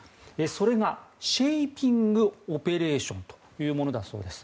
それがシェーピングオペレーションというものだそうです。